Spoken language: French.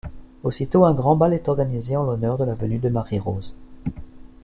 Aussitôt, un grand bal est organisé en l'honneur de la venue de Marie-Rose.